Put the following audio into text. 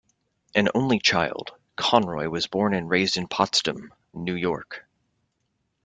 An only child, Conroy was born and raised in Potsdam, New York.